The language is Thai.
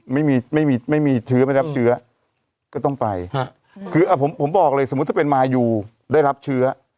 ไม่มีไม่มีเชื้อไม่รับเชื้อก็ต้องไปคือผมบอกเลยสมมุติถ้าเป็นมายูได้รับเชื้อ